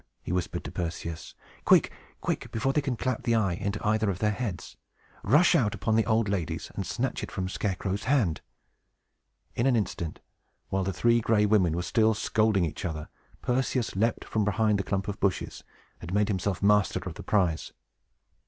he whispered to Perseus. "Quick, quick! before they can clap the eye into either of their heads. Rush out upon the old ladies, and snatch it from Scarecrow's hand!" In an instant, while the Three Gray Women were still scolding each other, Perseus leaped from behind the clump of bushes, and made himself master of the prize.